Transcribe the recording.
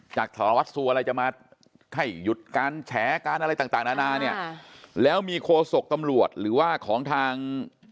จากสารวัตรสัวอะไรจะมาให้หยุดการแฉการอะไรต่างนานาเนี่ยแล้วมีโคศกตำรวจหรือว่าของทาง